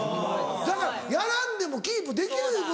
だからやらんでもキープできるいうことや。